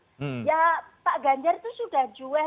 ya pak ganjar itu sudah juweh